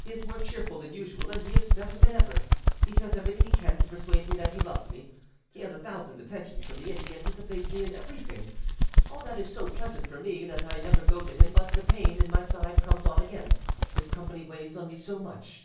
He is more cheerful than usual, and he is better than ever. "He says everything he can to persuade me that he loves me; he has a thousand attentions for me, and he anticipates me in everything: all that is so pleasant for me, that I never go to him but the pain in my side comes on again, his company weighs on me so much.